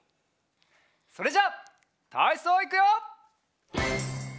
それじゃたいそういくよ。